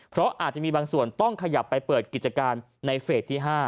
เพราะอาจจะมีบางส่วนต้องขยับไปเปิดกิจการในเฟสที่๕